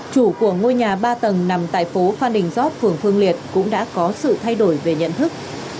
chủ của ngôi nhà ba tầng nằm tại phố phan đình giót phường phương liệt cũng đã có sự thay đổi về nhận thức